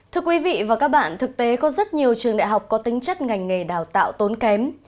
thưa quý vị và các bạn thực tế có rất nhiều trường đại học có tính chất ngành nghề đào tạo tốn kém